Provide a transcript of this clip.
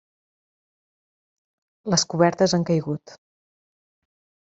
Les cobertes han caigut.